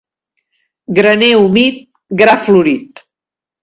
Graner humit, gra florit.